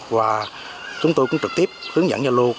và chúng tôi cũng trực tiếp hướng dẫn gia lô